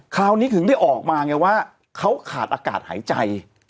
คราวนี้ถึงได้ออกมาไงว่าเขาขาดอากาศหายใจ